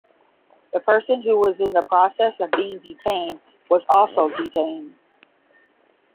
The person who was in the process of being detained was also detained.